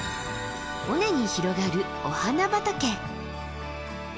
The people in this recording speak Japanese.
尾根に広がるお花畑！